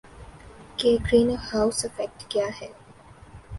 کہ green house effect کیا ہے